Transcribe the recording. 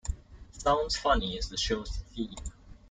"Sounds Funny" is the show's theme.